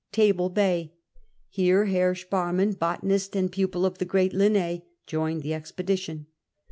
Table Tiay. Here Herr Sparnnan, botanist, and pupil of the great Linne, joined the expedition.